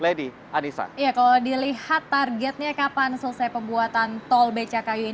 kalau dilihat targetnya kapan selesai pembuatan tol becakayu